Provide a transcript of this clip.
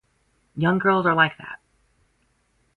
Young girls are like that.